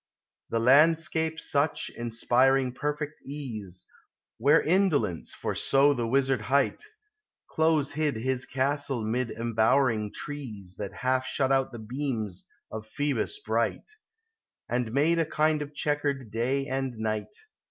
The landscape such, inspiring perfect ease, Where Indolence (for so the wizard hight) Close hid his castle mid embowering trees, That half shut out the beams of Phoebus bright, And made a kind of checkered day and night ; 118 POEMS OF FAXCY.